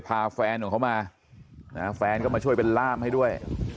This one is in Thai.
พาแฟนของเขามาแฟนก็มาช่วยเป็นล่ามให้ด้วย